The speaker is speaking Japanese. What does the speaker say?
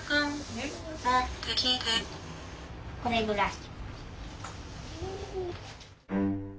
これぐらい。